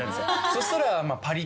そしたら。